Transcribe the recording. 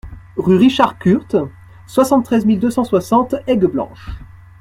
Rue Richard Curt, soixante-treize mille deux cent soixante Aigueblanche